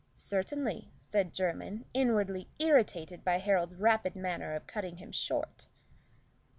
"Certainly," said Jermyn, inwardly irritated by Harold's rapid manner of cutting him short.